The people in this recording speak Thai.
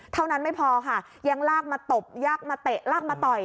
เท่านั้นไม่พอค่ะยังลากมาตบยักษ์มาเตะลากมาต่อย